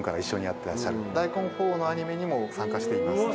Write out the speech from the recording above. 『ＤＡＩＣＯＮ』のアニメにも参加しています。